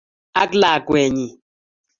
Ang lakwenyi?